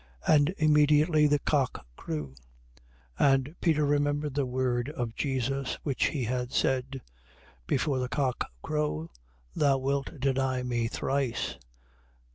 And immediately the cock crew. 26:75. And Peter remembered the word of Jesus which he had said: Before the cock crow, thou wilt deny me thrice.